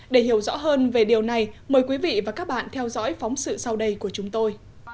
để hiểu rõ hơn về điều này mời quý vị và các bạn theo dõi phóng sự sau đây của chúng tôi